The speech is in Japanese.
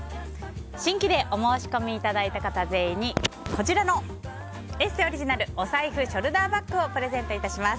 新規でお申し込みいただいた方全員にこちらの「ＥＳＳＥ」オリジナルお財布ショルダーバッグをプレゼント致します。